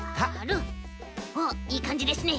おっいいかんじですね。